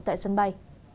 tại sân bay